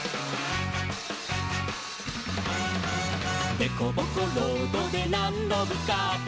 「でこぼこロードでなんどぶつかっても」